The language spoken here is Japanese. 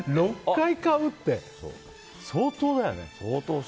６回買うって相当だよね。